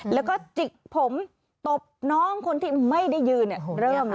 แล้วก็จิกผมตบน้องคนที่ไม่ได้ยืนเริ่มแล้ว